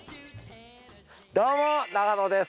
どうも永野です。